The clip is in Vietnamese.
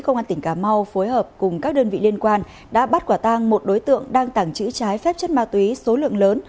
ngoan tỉnh cà mau phối hợp cùng các đơn vị liên quan đã bắt quả tang một đối tượng đang tẳng chữ trái phép chất ma túy số lượng lớn